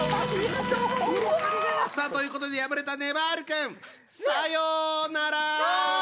さあということで敗れたねばる君さようなら！